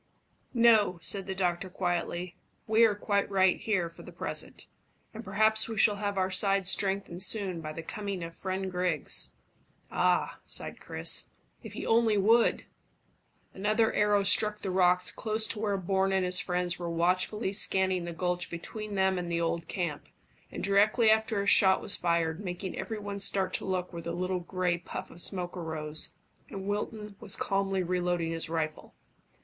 "No," said the doctor quietly. "We are quite right here for the present, and perhaps we shall have our side strengthened soon by the coming of friend Griggs." "Ah!" sighed Chris, "if he only would!" Another arrow struck the rocks close to where Bourne and his friends were watchfully scanning the gulch between them and the old camp, and directly after a shot was fired, making every one start to look where the little grey puff of smoke arose, and Wilton was calmly reloading his rifle.